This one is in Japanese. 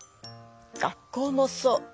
学校もそう。